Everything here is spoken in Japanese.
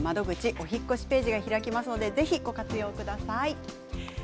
お引っ越しページが開きますのでぜひ、ご活用ください。